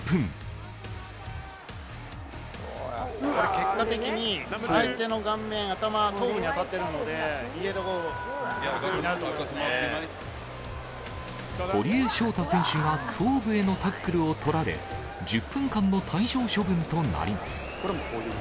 結果的に相手の顔面、頭、頭部に当たっているので、堀江翔太選手が頭部へのタックルを取られ、１０分間の退場処分となります。